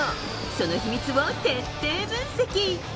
その秘密を徹底分析。